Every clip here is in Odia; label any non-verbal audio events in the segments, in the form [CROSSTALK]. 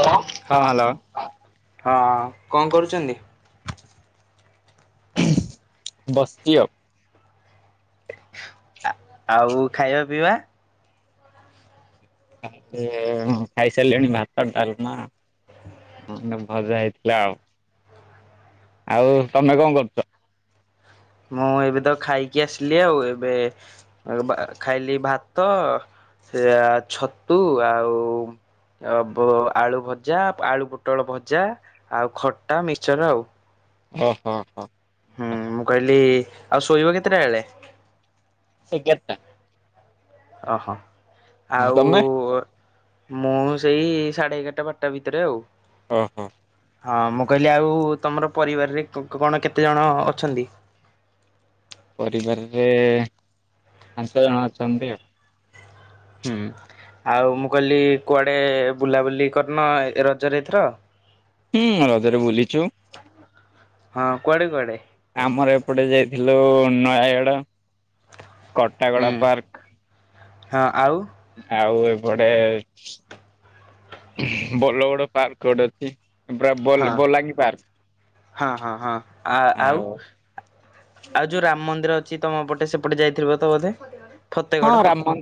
ହଁ ହ୍ୟାଲୋ। ହଁ କଣ କରୁଛନ୍ତି? ବସିଛି ଆଉ। ଆଉ ଖାଇବା ପିଇବା? ଖାଇସାରିଲିଣି ଭାତ ଡାଲମା ଭଣ୍ଡା ଭଜା ହେଇଥିଲା ଆଉ। ଆଉ ତମେ କଣ କରୁଛ? ମୁଁ ଏବେ ତ ଖାଇକି ଆସିଲି ଆଉ ଏବେ ବା ଖାଇଲି ଭାତ ସେ ଛତୁ ଆଉ ଆଳୁ ଭଜା ଆଳୁ ପୋଟଳ ଭଜା ଆଉ ଖଟା ମିକ୍ସର ଆଉ। ଓହୋ। ହୋ ହୁଁ ମୁଁ କହିଲି ଆଉ ଶୋଇବ କେତେଟା ବେଳେ? ଏଗାର ଟା। ଓହୋ ହଁ ଆଉ ତମେ ଓର ମୁଁ ସେଇ ସାଢେ ଏଗାର ଟା ବାରଟା ଭିତରେ ଆଉ। ଓ ହୋ। ହଁ ମୁଁ କହିଲି ଆଉ ତମର ପରିବାରରେ କଣ କେତେ ଜଣ ଅଛନ୍ତି? ପରିବାରରେ ପାଞ୍ଚ ଜଣ ଅଛନ୍ତି ଆଉ। ହୁଁ ଆଉ ମୁଁ କହିଲି କୁଆଡେ ବୁଲାବୁଲି କରିନ ରଜରେ ଏଥର। ହୁଁ ରଜରେ ବୁଲିଚୁ। ହଁ କୁଆଡେ କୁଆଡେ। ଆମର ଏପଟେ ଯାଇଥିଲୁ ନୟାଏଗଡ ହୁଁ କଟାଗଡ ପାର୍କ। ହଁ ଆଉ। ଆଉ ଏପଟେ ବଲଗଡ ପାର୍କ ଗୋଟେ ଅଛି। ପୁରା ହଁ ବୋଲାଙ୍ଗୀ ପାର୍କ ହଁ ହଁ ହଁ ଆ ଆଉ। ଆଉ ଯୋଉ ରାମ ମନ୍ଦିର ଅଛି ତମ ପଟେ ସେପଟେ ଯାଇଥିବତ ବୋଧେ। ହଁ ଫତେଗଡ଼ ରାମ ମ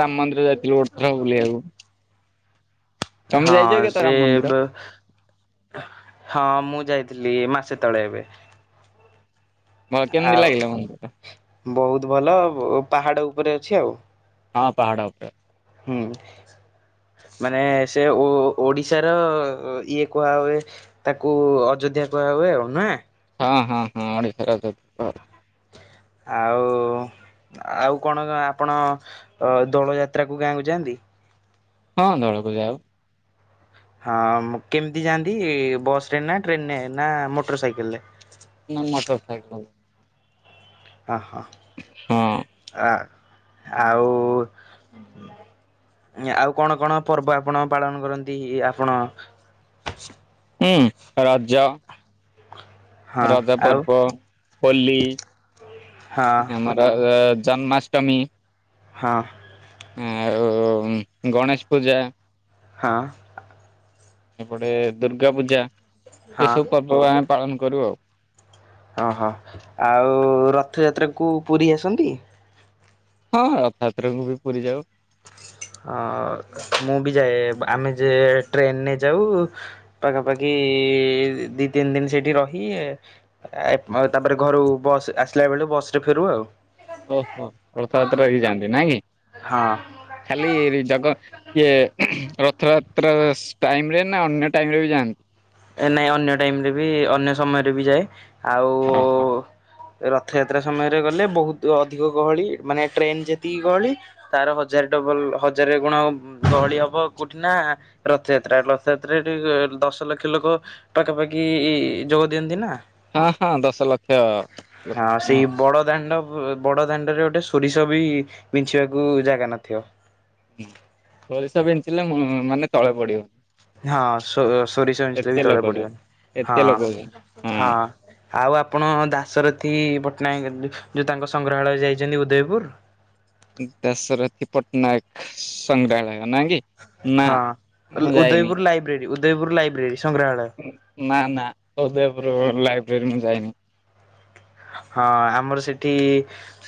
ରାମ ମନ୍ଦିର ଯାଇଥିଲୁ ଗୋଟ ଥର ବୁଲିବାକୁ। ତମେ ହଁ ଯାଇଛ କେତେ ସେ ରାମ ମନ୍ଦିର? ଏବେ ହଁ ମୁଁ ଯାଇଥିଲି ମାସେ ତଳେ ଏବେ। ବ କେମିତି ଲାଗିଲା ମନ୍ଦିର? ଆଉ ବହୁତ ଭଲ ବୋ ପାହାଡ ଉପରେ ଅଛି ଆଉ। ହଁ ପାହାଡ଼ ଉପେ ହୁଁ। ମାନେ ସେ ଓ ଓଡ଼ିଶାର ଇଏ କୁହା ହୁଏ। ତାକୁ ଅଯୋଧ୍ୟା କୁହାହୁଏ ଆଉ ନାଁ। ହଁ ହଁ ହଁ ଓଡିଶାର ସେତ ଆଉ ଆଉ କଣ ଆପଣ ଦୋଳ ଯାତ୍ରାକୁ ଗାଁକୁ ଯାଆନ୍ତି। ହଁ ଦଳକୁ ଯାଉ। ହଁ କେମିତି ଯାଆନ୍ତି ବସ ରେ ନା ଟ୍ରେନ ରେ ନା ମୋଟର ସାଇକେଲ ରେ। ନା ମଟର ସାଇକେଲ। ହାଁ ହାଁ। ହଁ। ଆ ଆଉ ଆଉ କଣ କଣ ପର୍ବ ଆପଣ ପାଳନ କରନ୍ତି ଆପଣ। ହୁଁ ରାଜ। ହଁ ରଜା ଆଉ ପର୍ବ ହୋଲି ଆମର। ହଁ [UNINTELLIGIBLE] ଜନ୍ମାଷ୍ଟମୀ। ହଁ। ହୁଁ ଆଉଉଉ ହୁଁ ଗଣେଶ ପୂଜା। ହଁ। ଏପଟେ ଦୁର୍ଗା ପୂଜା ହଁ ଏଇସବୁ ପର୍ବ ଆ ପାଳନ କରୁ ଆଉ। ଅ ହ ଆଉ ରଥଯାତ୍ରାକୁ ପୁରୀ ଆସନ୍ତି। ହଁ ରଥଯାତ୍ରକୁ ବି ପୁରୀ ଯାଉ। ହ ମୁଁ ବି ଯାଏ ଆମେ ଯେ ଟ୍ରେନେ ଯାଉ ପାଖାପାଖି ଦି ତିନି ଦିନି ସେଠି ରହି ଆଏ ତାପରେ ଘରୁ ବସ ଆସିଲା ବେଳୁ ବସ ରେ ଫେରୁ ଆଉ। ଓହୋ ରଥଯାତ୍ରା ବି ଯାଆନ୍ତି ନାଇଁ କି? ହଁ। ଖାଲି [UNINTELLIGIBLE] ଇଏ ରଥଯାତ୍ରା [UNINTELLIGIBLE] ଟାଇମ ରେ ନା ଅନ୍ୟ ଟାଇମ ରେ ବି ଯାଆନ୍ତି? ନାଇଁ ଅନ୍ୟ ଟାଇମରେ ବି ଅନ୍ୟ ସମୟରେ ବି ଯାଉ। ଆଉ ଓହୋ ରଥଯାତ୍ରା ସମୟରେ ଗଲେ ବହୁତ ଅଧିକ ଗହଳି, ମାନେ ଟ୍ରେନ ଯେତିକି ଗହଳି ତାର ହଜାର ଡବଲ ହଜାର ଗୁଣ ଗହଳି ହବ କୋଉଠି ନା ରଥଯାତ୍ରା ରଥଯାତ୍ରା ରେ ଦଶ ଲକ୍ଷ [UNINTELLIGIBLE] ଲୋକ ପାଖାପାଖି ଯୋଗ ଦିଅନ୍ତି ନା। ହଁ ହଁ ଦଶ ଲକ୍ଷ। [UNINTELLIGIBLE] ବଡ଼ଦାଣ୍ଡ [UNINTELLIGIBLE] ବଡ ଦାଣ୍ଡରେ ଗୋଟେ ସୋରିଷ ବି ବିଛିବାକୁ ଜାଗା ନଥିବ। ସୋରିଷ ବିଞ୍ଚିଲେ [UNINTELLIGIBLE] ମାନେ ତଳେ ପଡିବ। ହଁ ସୋ ସୋରିଷ ଏତେ [UNINTELLIGIBLE] ଲୋକ ତଳେ ଯେ ପଡିବନି। ଏତେ ହଁ ଲୋକ ଯେ ହଁ। ଆଉ ଆପଣ ଦାସରଥୀ ପଟ୍ଟନାୟକ [UNINTELLIGIBLE] ତାଙ୍କ ସଂଗ୍ରହାଳୟ ଯାଇଛନ୍ତି ଉଦୟପୁର? ଦଶରଥୀ ପଟ୍ଟନାୟକ ସଂଗ୍ରହାଳୟ ନା କି? ନା ହଁ ମୁଁ ଯାଇନି ଉଦୟପୁର ଲାଇବ୍ରେରୀ ଉଦୟପୁର ଲାଇବ୍ରେରୀ ସଂଗ୍ରହାଳୟ। ନା ନା ଉଦୟପୁର ଲାଇବ୍ରେରୀ ମୁଁ ଯାଇନି। ହଁ, ଆମର ସେଠି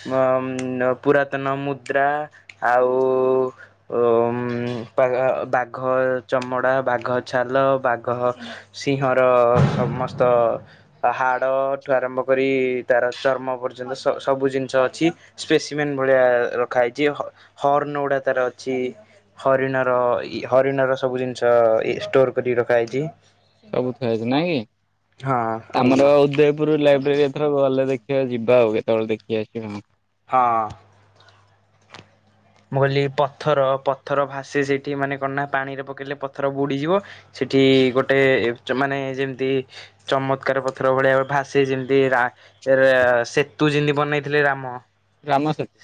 [UNINTELLIGIBLE] ପୁରାତନ ମୁଦ୍ରା, ଆଉ [UNINTELLIGIBLE] ବାଘ ବାଘ ଚମଡ଼ା, ବାଘ ଛାଲ, ବାଘ ସିଂହର ସମସ୍ତ ହାଡ ଠୁ ଆରମ୍ଭ କରି ତାର ଚର୍ମ ପର୍ଯ୍ୟନ୍ତ ସ ସବୁ ଜିନିଷ ଅଛି, ସ୍ପେସିମେନ୍ ଭଳିଆ ରଖା ହେଇଛି। [UNINTELLIGIBLE] ହର୍ନ ଗୁଡା ତାର ଅଛି। ହରିଣ ର ଇ ହରିଣ ର ସବୁ ଜିନିଷ ଷ୍ଟୋର କରିକି ରଖାାଯାଇଛି। ସବୁ ଥୁଆହେଇଛି ନାଇଁ କି। ଆମର ଉଦ ପୁର ଲାଇବ୍ରେରୀ ଏଥର ଗଲେ ଦେଖିବା ଯିବା ଆଉ କେତବେଳେ ଦେଖି ଆସିବା ଆଉ। ହଁ। ମୁଁ କହିଲି ପଥର ପଥର ଭାସେ ସେଇଠି ମାନେ କଣ ନା ପାଣିରେ ପକେଇଲେ ପଥର ବୁଡ଼ିଯିବ। ସେଠି ଗୋଟେ [UNINTELLIGIBLE] ମାନେ ଯେମିତି ଚମତ୍କାର ପଥର ଭଳିଆ ଭାସେ ଯେମିତି ରା [UNINTELLIGIBLE] ସେତୁ ଯେମିତି ବନେଇଥିଲେ ରାମ, ରାମ ସେତୁ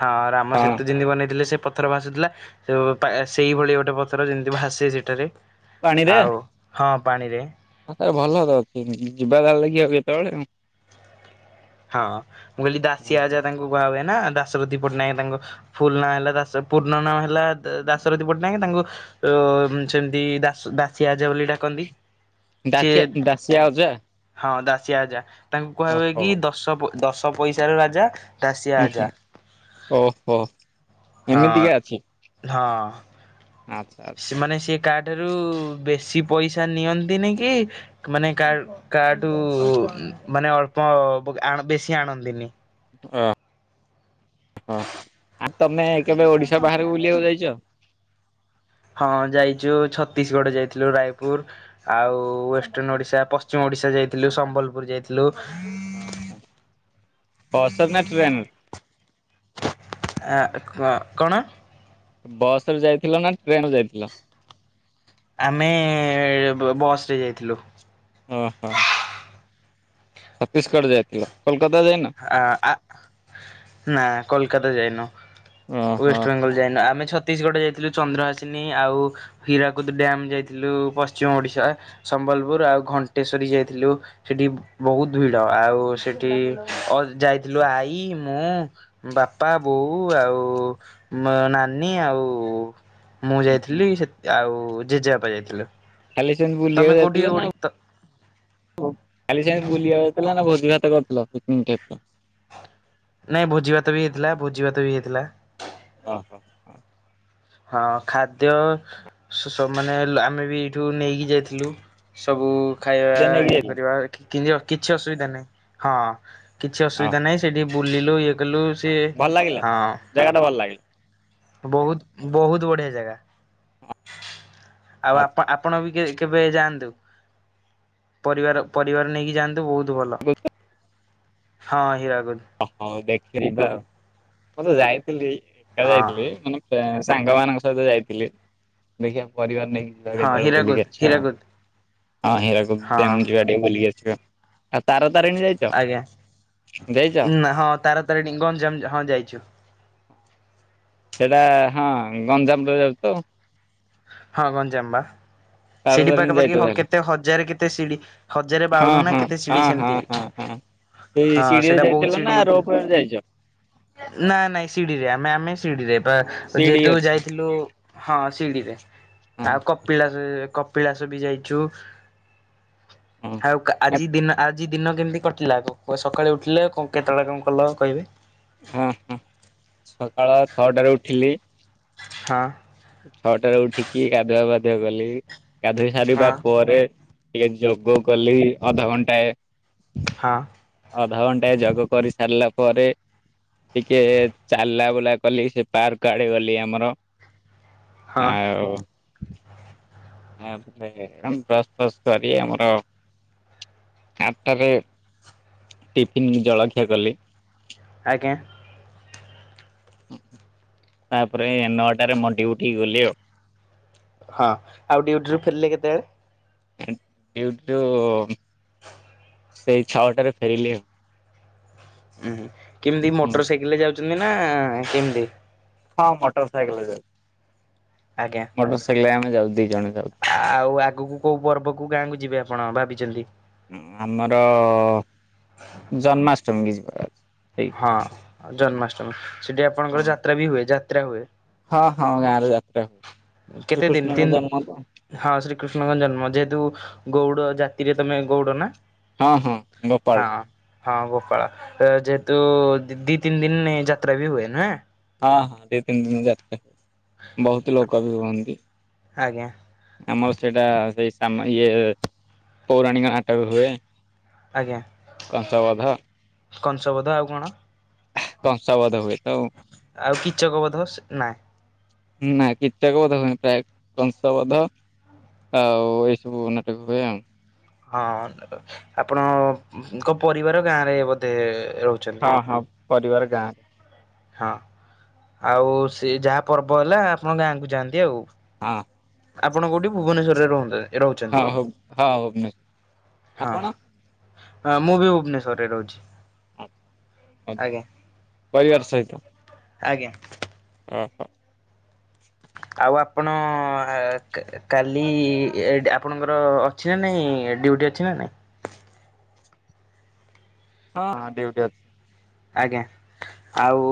ହଁ ରାମ ହଁ ସେତୁ ଯେମିତି ବନେଇଥିଲେ ସେ ପଥର ଭାସୁଥିଲା, [UNINTELLIGIBLE] ସେଇଭଳି ଗୋଟେ ପଥର ଯେମିତି ଭାସେ ସେଠାରେ। ପାଣିରେ ଆଉ, ହଁ ପାଣିରେ। [UNINTELLIGIBLE] କେତେବେଳେ। ହଁ ମୁଁ କହିଲି ଦାଶୀଆ ଯା ହଁ ତାଙ୍କୁ କୁହା ହୁଏ ନା, ଦାସପତି ପଟ୍ଟନାୟକ ତାଙ୍କୁ ଫୁଲ ନାଁ ହେଲା ଦା ପୂର୍ଣ୍ଣ ନାଁ ହେଲା ଦାସରଥୀ। [UNINTELLIGIBLE] ତାଙ୍କୁ ଅ ସେମିତି [UNINTELLIGIBLE] କନ୍ତି ଦାସିଆ ଦାସିଆ ଅଜା। [UNINTELLIGIBLE] ତାଙ୍କୁ କୁହା ହୁଏ କି ଓହୋ ଦଶ ପ ଦଶ ପଇସା ର ରାଜା। ଦାସିଆ ଉଁ ହୁଁ ଆଜା ଓ ହୋ। ହଁ ହଁ। ଆଚ୍ଛା। ସେ ମାନେ ସେ କାଠାରୁ ବେଶୀ ପଇସା ନିଅନ୍ତିନି କି ମାନେ [UNINTELLIGIBLE] ବେଶୀ ଆଣନ୍ତିନି। ଓ ହ ଆଉ ତମେ କେବେ ଓଡିଶା ବାହାରକୁ ବୁଲିବାକୁ ଯାଇଛ? ହଁ ଯାଇଛୁ ଛତିଶଗଡ ଯାଇଥିଲୁ ରାୟପୁର। ଆଉ ୱେଷ୍ଟର୍ଣ ଓଡ଼ିଶା ପଶ୍ଚିମ ଓଡ଼ିଶା ଯାଇଥିଲୁ ସମ୍ବଲପୁର ଯାଇଥିଲୁ। ହ ହ ହସ ନା ଟ୍ରେନର୍ ଆ ହଁ କଣ? ବସ ରେ ଯାଇଥିଲ ନା ଟ୍ରେନ ର ଯାଇଥିଲ। ଆମେ ବ୍ ବସ୍ରେ ଯାଇଥିଲୁ। ଓହୋ ଛତିଶଗଡ଼ ଯାଇଥିଲ କୋଲକାତା ଯାଇନ? ଆ ଆ ନା କୋଲକାତା ଯାଇନୁ। ଓହୋ ୱେଷ୍ଟବେେଙ୍ଗଲ ଯାଇନୁ ଆମେ ଛତିଶଗଡ ଯାଇଥିଲୁ ଚନ୍ଦ୍ରହାସିିନୀ ଆଉ ହୀରାକୁଦ ଡ୍ୟମ୍ ଯାଇଥିଲୁ ପଶ୍ଚିମ ଓଡିଶା। ସମ୍ବଲପୁର ଆଉ ଘଣ୍ଟେଶ୍ଵରୀ ଯାଇଥିଲୁ ସେଠି ବହୁତ ଭିଡ଼ ଆଉ ସେଠି ଅ ଯାଇଥିଲୁ ଆଈ ମୁଁ ବାପା ବୋଉ ଆଉ ମ ନାନୀ ଆଉ ମୁଁ ହୁଁ ହୁଁ। ଯାଇଥିଲି ସେ ଆଉ ଜେଜେବାପା ଯାଇଥିଲେ। ଖାଲି ସେମତି ତମେ ବୁଲିବାକୁ କୋଉଠି ଯାଇଥିଲା ନା ଓଡ଼ି ଆଉ ହ ଖାଲି ସେ ବୁଲିବାକୁ ଯଥିଲା ନା ଭୋଜି ଭାତ କରିଥିଲ ପିକନିକ ଟାଇ ନାଇଁ ଭୋଜିିଭାତ ବି ହେଇଥିଲା ଭୋଜି ଭାତ ବି ହେଇଥିଲା। ଓହୋ! ହଁ ଖାଦ୍ୟ ସ ସ ମାନେ ଆମେ ବି ଏଇଠୁ ନେଇକି ଯାଇଥିଲୁ ସବୁ ଖାଇବା ନେଇକି ଇଏ ଯାଇଥିଲ କରିବା କିରି କିଛି ଅସୁବିଧା ନାହିଁ ହଁ କିଛି ଓହୋ ଅସୁବିଧା ନାହିଁ। ସେଠି ବୁଲିଲୁ ଇଏ କଲୁ ସେ ଭଲ ଲାଗିଲା ହଁ। ଜାଗାଟା ଭଲ ବହୁତ ବହୁତ ବଢିଆ ଜାଗା। ଆଉ ଆଚ୍ଛା ଆପଣ ଆପଣ ବି କେବେ ଯାଆନ୍ତୁ ପରିବାର ପରିବାର ନେଇକି ଯାଆନ୍ତୁ ବହୁତ ଭଲ। ହଁ ହୀରାକୁଦ୍। ହଁ ଦେଖି ତ ମୁ ତ ଯାଇଥିଲି ଏକା ହଁ ଯାଇଥିଲି ମାନେ ତ ସାଙ୍ଗମାନଙ୍କ ସହିତ ଯାଇଥିଲେ ଦେଖିବା ପରିବାର ହଁ ନେଇକି। ଳ ହୀରାକୁଦ [UNINTELLIGIBLE] ହୀରାକୁଦ ଆଉ ହୀରାକୁଦ ହଁ ଡ୍ୟାମ [UNINTELLIGIBLE] ବୁଲିକି ଆସିବ ଆଉ ତାର ତାରିଣୀ ଯାଇଛ? ଆଜ୍ଞା ଯାଇଛ? ନ ହଁ ତାରା ତାରିଣୀ ଗଞ୍ଜମ ହଁ ଯାଇଛୁ। ସେଇଟା ହଁ ଗଞ୍ଜାମରେ ଯାଉ ତ ହଁ ଗଞ୍ଜାମ୍ ବା ତାର ସେଇଟି ତାରିଣୀ ଯାଇଛ ପାଖାପାଖି ହ ତାହେଲେ? କେତେ ହଜାର କେତେ ସିଡି। ହଁ ହଁ ହଁ ହଁ ହଁ ହଁ। ସେ ହଁ ସିଡିିରେ ସେଇଟା ବହୁତ ଯାଇଥିଲ ସିଢି ନା ଉଠିଲା ରୋପରେ ଯାଇଛ? ନା ନାଇଁ ସିଡିରେ ଆମେ ଆମେ ସିଡିରେ ବା ସିଡି ଯେହେତୁ ଅଛି ଯାଇଥିଲୁ ହଁ ସିଡିରେ। ହଁ ଆଉ କପିଳାସ କପିଳାସ ବି ଯାଇଛୁ। ହଁ ଆଉ କା ହଁ ଆଜି ଦିନ ଆଜ୍ ଆଜି ଦିନ କେମିତି କଟିଲା ସକାଳେ ଉଠିଲେ କ କେତେବେଳେ କଣ କଲ କହିବେ। ହଁ ହଁ ସକାଳ ଛଅଟାରେ ଉଠିଲି ହଁ। ଛଅଟାରେ ଉଠିକି ଗାଧୁଆ ପାଧୁଆ କଲି, ଗାଧୋଇ ହଁ ସାରିବା ପରେ ଟିକେ ଯୋଗ କଲି ଅଧଘଣ୍ଟାଏ। ହଁ। ଅଧଘଣ୍ଟାଏ ଯୋଗ କରିସାରିଲା ପରେ ଟିକେ ଚାଲା ବୁଲା କଲି ସେ ପାର୍କଆଡେ ଗଲି ଆମର ହଁ। ହଉ [UNINTELLIGIBLE] ଆମର ଆଟାରେ ଟିଫନ ଜଳଖିଆ କଲି। ଆଜ୍ଞା। ତାପରେ ନଅଟାରେ ମୋ ଡ୍ୟୁଟିଗଲି ଆଉ ହଁ ଆଉ ଡ୍ୟୁଟିରୁ ଫେରିଲେ କେତେବେଳେ ୟୁଟୁବ। ହଁ। [INAUDIBLE] ସେଇ ଛଅଟାରେ ଫେରିଲି ଆଉ ଉୁଁ ହୁଁ କେମିତି ହୁଁ। ମୋଟର ସାଇକେଲରେ ଯାଉଚନ୍ତିନା କେମିତି ହଁ ମଟର ସାଇକେଲରେ ଆଜ୍ଞା ଯାଉ ମଟର ସାଇକେଲ ଆମେ ଯାଉ ଦି ଜଣ ଯାଉ। ଆଉ ଆଗକୁ କୋଉ ପର୍ବ କୋଉ ଗାଁକୁ ଯିବେ ଆପଣ ଭାବିଚନ୍ତି? ହୁଁ ଆମର ଜନ୍ମାଷ୍ଟମୀ କି ଯିବା। ହଁ ଜନ୍ମାଷ୍ଟମୀ ସେଠି ହଁ। ଆପଣଙ୍କର ଯାତ୍ରାବି ହୁଏ ଯାତ୍ରା ହୁଏ। ହଁ ହଁ ଗାଁରେ ଯାତ୍ରା ହୁଏ। କେତେ ଦିନ ଶ୍ରୀକୃଷ୍ଣଙ୍କ ଜନ୍ମ ତ ତିନ। ହଁ ଶ୍ରୀକୃଷ୍ଣଙ୍କ ଜନ୍ମ ଯେହେତୁ ଗୌଉଡ଼ ଜାତିରେ ତମେ ଗୌଉଡ଼ନା। ହଁ ହଁ ଗୋପାଳ। ହଁ ଗୋପାଳ ଯେହେତୁ ଦି ତିନି ଦିନି ଯାତ୍ରାବି ହୁଏନା। ହଁ ହଁ ଦି ତିନି ଦିନି ଯାତ୍ରା ବହୁତ ଲୋକବି ହୁଅନ୍ତି। ଆଜ୍ଞା। ଆମର ସେଇଟା ସେଇ ଆମର ଇଏ ପୌରାଣିକ ନାଟକ ହୁଏ। ଆଜ୍ଞା କଂସବଧ କଂଶବଦ୍ଧ ଆଉ କଣ? କଂସବଦ୍ଧ ହୁଏ। ତ ଆଉ କିଚକବୋଧ ସେ ନାଇଁ ନାଇଁ କିଚକ ବୋଧ ହୁଏନି ପ୍ରାୟ କଂସ ବୋଧ। ଆଉ ଏଇ ସବୁ ନାଟକ ହୁଏ ଆଉ ହଁ ଆପଣ ଙ୍କ ପରିବାର ଗାଁରେ ବୋଧେ ରହୁଛି। ହଁ ହଁ ପରିବାର ଗାଁରେ। ହଁ ଆଉ ସେ ଯାହା ପର୍ବ ହେଲା ଆପଣ ଗାଁକୁ ଯାଆନ୍ତି ଆଉ ହଁ। ଆପଣ କୋଉଠି ଭୁବନେଶ୍ୱରରେ ରହନ୍ତି। ହଁ ହଉ ହଁ ଭୁବନେଶ୍ୱରରେ ହଁ। ଆପଣ? ହଁ ମୁଁବି ଭୁବନେଶ୍ୱରରେ ରହୁଛି। ଆଚ୍ଛା ଆଜ୍ଞା ପରିବାର ସହିତ। ଆଜ୍ଞା। ଅହୋ। ଆଉ ଆପଣ ହେ ତେ କାଲି ଆପଣଙ୍କର ଅଛିନା ନାହିଁ ଡ୍ୟୁଟି ଅଛିନା ନାହିଁ। ହଁ ହଁ ଡ୍ୟୁଟି ଅଛି। ଆଜ୍ଞା ଆଉ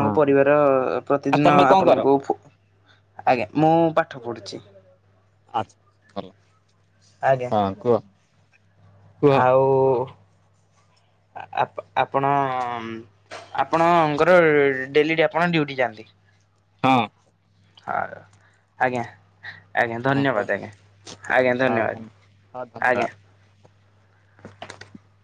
ହଁ ପରିବାର ଆଉ ପ୍ରତିଦିନ ତମେ କଣ କର? ଆପଣଙ୍କୁ ଆଜ୍ଞା ମୁଁ ପାଠ ପଢ଼ୁଛି। ଆ [UNINTELLIGIBLE] ଆଜ୍ଞା କୁହ ଆଉ ଆ ଆପଣ ଆପଣଙ୍କର ଡେଲି ଆପଣ ଡିୟୁଟି ଯାଆନ୍ତି। ହଁ। ଆର ଆଜ୍ଞା ଆଜ୍ଞା ହଁ ଧନ୍ୟବାଦ ଆଜ୍ଞା ଆଜ୍ଞା ହଉ ଧନ୍ୟବାଦ ହଉ ଧନ୍ୟବାଦ। ଆଜ୍ଞା। [INAUDIBLE]